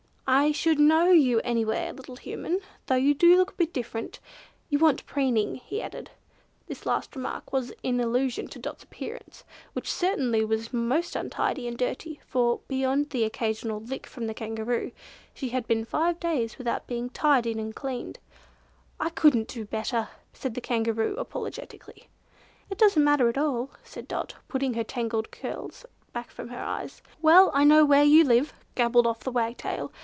"I should know you anywhere, little Human, though you do look a bit different. You want preening," he added. This last remark was in allusion to Dot's appearance, which certainly was most untidy and dirty, for, beyond an occasional lick from the Kangaroo, she had been five days without being tidied and cleaned. "I couldn't do it better," said the Kangaroo apologetically. "It doesn't matter at all," said Dot, putting her tangled curls back from her eyes. "Well! I know where you live," gabbled off the Wagtail.